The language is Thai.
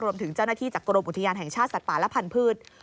รวมถึงเจ้าหน้าที่จากกรมอุทยานแห่งชาติสัตว์ป่าและพันธุ์